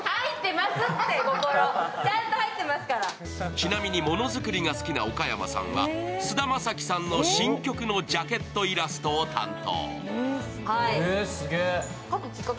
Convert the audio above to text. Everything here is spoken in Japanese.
ちなみに、物作りが好きな岡山さんは、菅田将暉さんの新曲のジャケットイラストを担当。